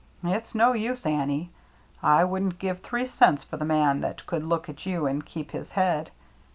It's no use, Annie. I wouldn't give three cents for the man that could look at you and keep his head.